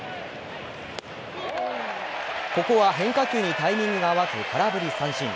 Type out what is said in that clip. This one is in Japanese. ここは変化球にタイミングが合わず空振り三振。